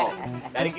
udah gak usah nangis